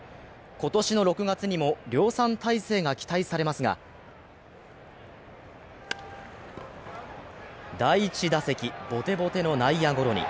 今年の６月にも量産体制が期待されますが第１打席、ボテボテの内野ゴロに。